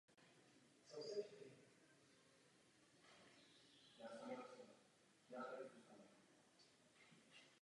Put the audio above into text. Turnov se stal součástí Frýdlantského vévodství a byl spravován z Hrubé Skály.